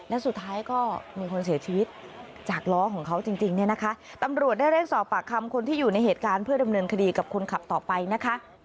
และสุดท้ายก็มีคนเสียชีวิตจากล้อของเขาจริงเนี่ยนะคะตำรวจได้เรียกสอบปากคำคนที่อยู่ในเหตุการณ์เพื่อดำเนินคดีกับคนขับต่อไปนะคะ